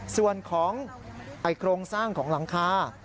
ส่วนของโครงสร้างของหลังคา